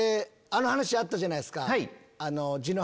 あの話あったじゃないですか。